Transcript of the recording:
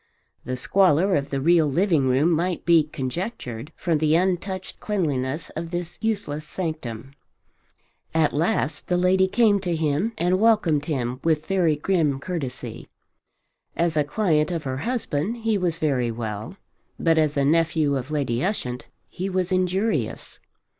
The squalor of the real living room might be conjectured from the untouched cleanliness of this useless sanctum. At last the lady came to him and welcomed him with very grim courtesy. As a client of her husband he was very well; but as a nephew of Lady Ushant he was injurious.